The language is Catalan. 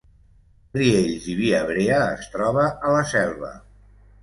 Riells i Viabrea es troba a la Selva